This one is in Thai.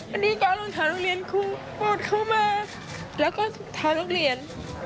อันนี้ก็รองเท้านักเรียนครูอุดเข้ามาแล้วก็รองเท้านักเรียน